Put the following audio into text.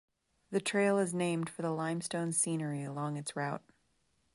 The trail is named for the limestone scenery along its route.